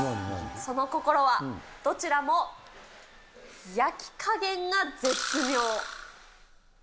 その心は、どちらも焼き加減が絶妙！